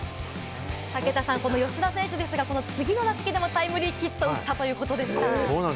武田さん、この吉田選手ですが、次の打席でもタイムリーヒットを打ったということです。